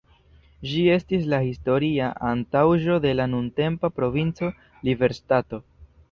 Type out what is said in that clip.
Ĝi estis la historia antaŭaĵo de la nuntempa Provinco Liberŝtato.